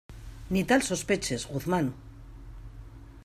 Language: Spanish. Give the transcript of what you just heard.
¡ ni tal sospeches, Guzmán!